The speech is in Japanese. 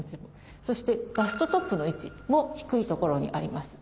そしてバストトップの位置も低いところにあります。